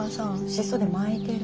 シソで巻いてる。